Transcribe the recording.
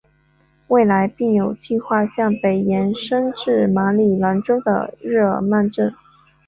未来并有计画向北延伸至马里兰州的日耳曼镇。